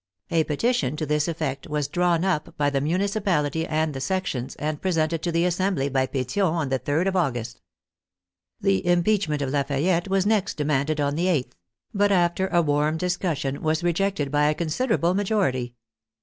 A petition to this effect was drawn up by the municipality and the sections, and presented to the Assembly by Petion on the 3rd of August. The impeachment of Lafayette was next de manded on the 8th, but after a warm discussion was re jected by a considerable majority.